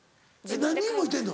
何人もいてんの？